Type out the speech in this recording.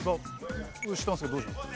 知ってますけどどうします？